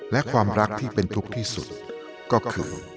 และความรักที่เป็นทุกข์ที่สุดก็คือ